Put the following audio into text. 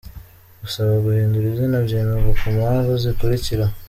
Gusaba guhindura izina byemerwa ku mpamvu zikurikira:.